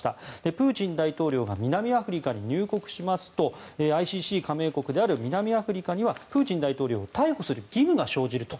プーチン大統領が南アフリカに入国しますとＩＣＣ加盟国である南アフリカにはプーチン大統領逮捕する義務が生じると。